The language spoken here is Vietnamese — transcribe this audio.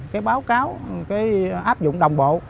cái báo cáo cái áp dụng đồng bộ